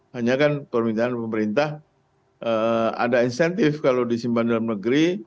hanya kan permintaan pemerintah ada insentif kalau disimpan dalam negeri